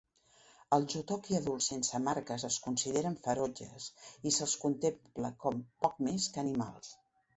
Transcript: Els Jotoki adults sense marques es consideren ferotges i se'ls contempla com poc més que animals.